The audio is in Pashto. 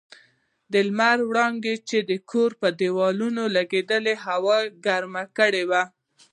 د لمر وړانګو چې د کورو پر دېوالو لګېدې هوا ګرمه کړې وه.